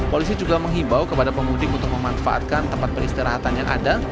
polisi juga menghimbau kepada pemudik untuk memanfaatkan tempat peristirahatan yang ada